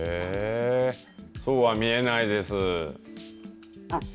そうは見えないです。